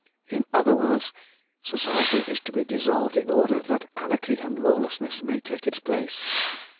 "In other words, Society is to be dissolved in order that anarchy and lawlessness may take its place.